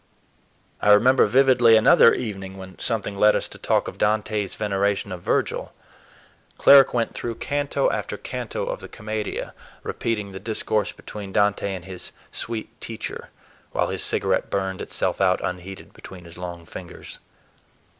I remember vividly another evening, when something led us to talk of Dante's veneration for Virgil. Cleric went through canto after canto of the "Commedia," repeating the discourse between Dante and his "sweet teacher," while his cigarette burned itself out unheeded between his long fingers.